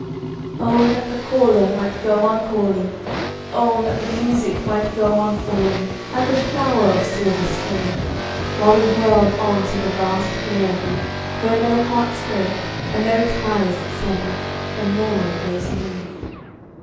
Oh, that the caller might go on calling, Oh, that the music might go on falling Like a shower of silver spray, While we whirled on to the vast Forever, Where no hearts break, and no ties sever, And no one goes away."